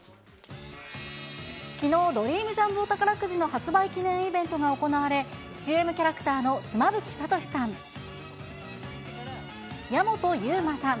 きのう、ドリームジャンボ宝くじの発売記念イベントが行われ、ＣＭキャラクターの妻夫木聡さん。